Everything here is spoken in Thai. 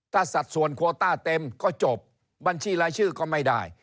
ถ้าสัดส่วนโควต้าเต็มก็จบบัญชีรายชื่อก็ไม่ได้